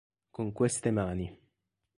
Con queste mani.